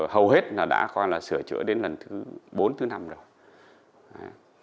hầu hết là đã coi là sửa chữa đến lần thứ bốn thứ năm rồi